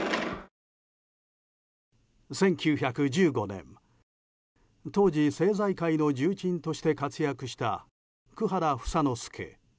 １９１５年、当時政財界の重鎮として活躍した、久原房之助。